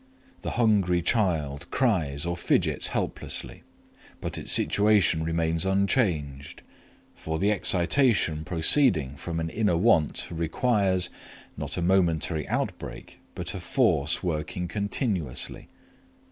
The hungry child cries or fidgets helplessly, but its situation remains unchanged; for the excitation proceeding from an inner want requires, not a momentary outbreak, but a force working continuously.